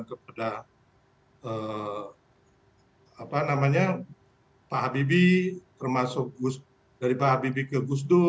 kepada pak habibie termasuk dari pak habibie ke gusdur